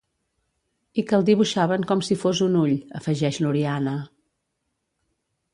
I que el dibuixaven com si fos un ull —afegeix l'Oriana.